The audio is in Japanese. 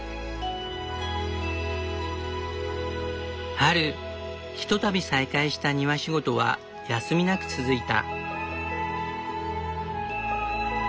春ひとたび再開した庭仕事は休みなく続いた。